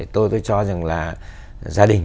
tôi cho rằng là gia đình